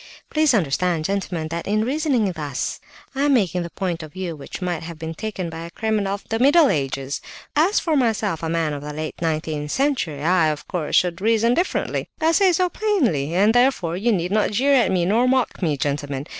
Please understand, gentlemen, that in reasoning thus, I am taking the point of view which might have been taken by a criminal of the middle ages. As for myself, a man of the late nineteenth century, I, of course, should reason differently; I say so plainly, and therefore you need not jeer at me nor mock me, gentlemen.